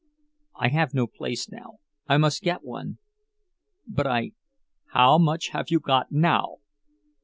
"I have no place now. I must get one. But I—" "How much haf you got now?"